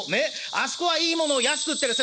『あそこはいいものを安く売ってる瀬戸物屋。